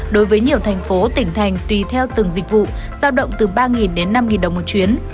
đối với nhiều thành phố tỉnh thành tùy theo từng dịch vụ giao động từ ba đến năm đồng một chuyến